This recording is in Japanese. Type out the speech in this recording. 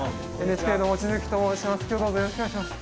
ＮＨＫの望月と申します。